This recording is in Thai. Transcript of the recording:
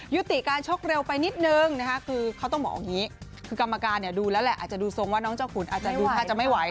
ยุติการชกเร็วไปนิดนึงนะคะคือเขาต้องบอกอย่างนี้คือกรรมการเนี่ยดูแล้วแหละอาจจะดูทรงว่าน้องเจ้าขุนอาจจะดูท่าจะไม่ไหว